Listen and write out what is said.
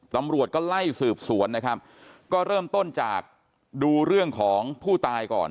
ตำรวจก็ไล่สืบสวนนะครับก็เริ่มต้นจากดูเรื่องของผู้ตายก่อน